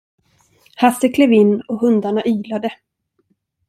Hasse klev in och hundarna ylade.